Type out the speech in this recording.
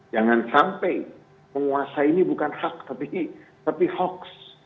jangan sampai penguasa ini bukan hak tapi hoqs